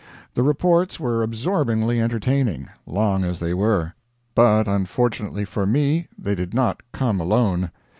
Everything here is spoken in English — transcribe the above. The reports were absorbingly entertaining, long as they were; but, unfortunately for me, they did not come alone.